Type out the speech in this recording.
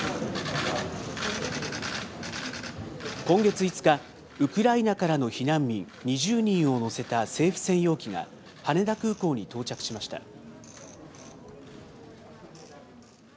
今月５日、ウクライナからの避難民２０人を乗せた政府専用機が、羽田空港に到着しました。